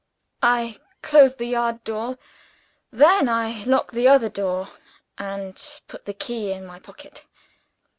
"I closed the yard door. Then I locked the other door, and put the key in my pocket.